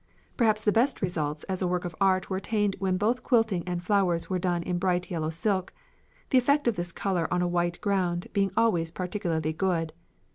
Perhaps the best results as a work of art were attained when both quilting and flowers were done in bright yellow silk; the effect of this colour on a white ground being always particularly good.